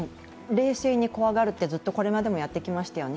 冷静に怖がるってずっとこれまでもやってきましたよね。